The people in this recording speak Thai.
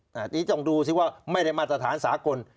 อันนี้ต้องดูสิว่าไม่ได้มาตรฐานสากล